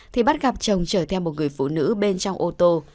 thì bắt gặp chồng trở theo một người phụ nữ bên trong ô tô